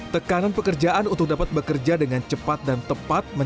tekanan pekerjaan untuk dapat bekerja dengan cepat dan tepat menjaga kepentingan kesehatan